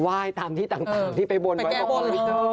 ก็ไหวให้ตามที่ต่างกว่าที่ไปบนไปก่อน